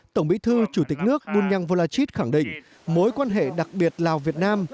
tổng bí thư chủ tịch nước bunyang volachit khẳng định mối quan hệ đặc biệt lào việt nam